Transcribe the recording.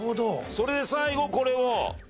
それで最後これを。